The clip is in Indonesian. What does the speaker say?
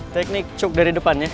teknik choke dari depan ya